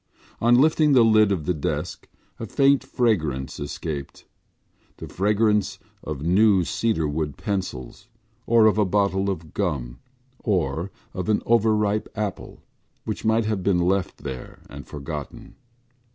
On lifting the lid of the desk a faint fragrance escaped—the fragrance of new cedarwood pencils or of a bottle of gum or of an overripe apple which might have been left there and forgotten.